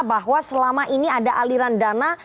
bahwa selama ini ada aliran dana